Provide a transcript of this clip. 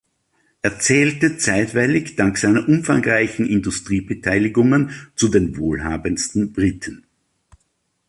Er zählte zeitweilig dank seiner umfangreichen Industriebeteiligungen zu den wohlhabendsten Briten.